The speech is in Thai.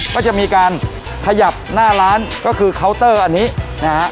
ก็จะมีการขยับหน้าร้านก็คือเคาน์เตอร์อันนี้นะฮะ